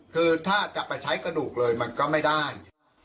คือถ้าจะไปใช้กระดูกเลยมันก็ไม่ได้